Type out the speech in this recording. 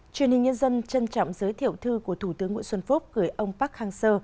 truyền hình nhân dân trân trọng giới thiệu thư của thủ tướng nguyễn xuân phúc gửi ông park hang seo